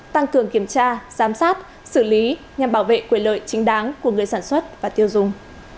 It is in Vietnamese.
tăng cường kiểm tra giám sát xử lý nhằm bảo vệ quyền lợi chính đáng của người sản xuất và tiêu dùng